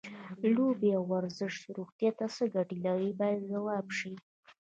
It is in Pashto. لوبې او ورزش روغتیا ته څه ګټې لري باید ځواب شي.